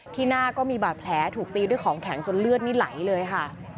หน้าก็มีบาดแผลถูกตีด้วยของแข็งจนเลือดนี่ไหลเลยค่ะ